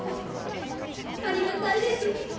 ありがたいです。